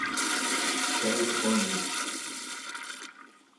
Kane Olney.